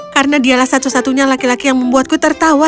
karena dialah satu satunya laki laki yang membuatku tertawa